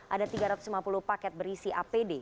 ada tiga ratus lima puluh paket berisi apd